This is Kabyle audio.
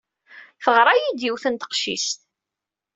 Teɣra-iyi-d yiwet n teqcict.